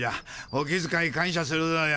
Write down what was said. お気づかい感謝するぞよ。